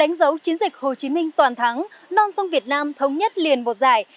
giấu chiến dịch hồ chí minh toàn thắng non sông việt nam thống nhất liền một giải